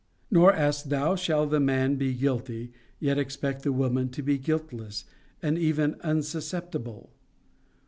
Nor ask thou, shall the man be guilty, yet expect the woman to be guiltless, and even unsuspectible?